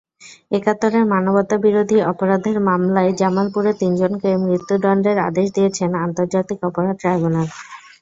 একাত্তরের মানবতাবিরোধী অপরাধের মামলায় জামালপুরের তিনজনকে মৃত্যুদণ্ডের আদেশ দিয়েছেন আন্তর্জাতিক অপরাধ ট্রাইব্যুনাল।